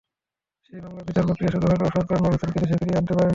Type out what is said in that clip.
সেই মামলার বিচার-প্রক্রিয়া শুরু হলেও সরকার নূর হোসেনকে দেশে ফিরিয়ে আনতে পারেনি।